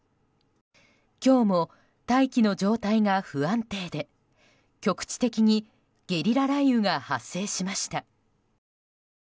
今日も大気の状態が不安定で局地的にゲリラ雷雨が発生しました。